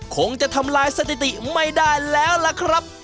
คงจะทำลายสถิติไม่ได้แล้วล่ะครับ